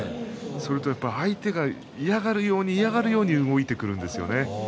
それと、やっぱり相手が嫌がるように嫌がるように動いてくるんですね。